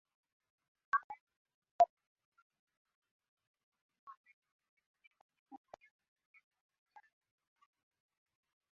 maana nikitoka mahabusu huwa mnaniona nimebeba chupa ya maji ya KilimanjaroHata hivyo Lissu